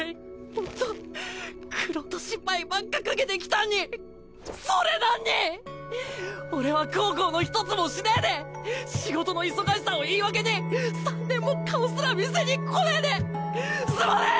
ほんと苦労と心配ばっかかけてきたんにそれだんに俺は孝行の一つもしねぇで仕事の忙しさを言い訳に３年も顔すら見せに来ねぇですまねぇ！